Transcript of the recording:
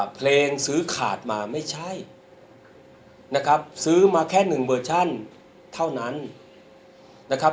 เพลงซื้อขาดมาไม่ใช่นะครับซื้อมาแค่๑เวอร์ชั่นเท่านั้นนะครับ